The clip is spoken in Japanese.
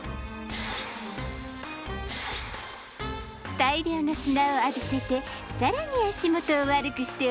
大量の砂を浴びせて更に足元を悪くしております。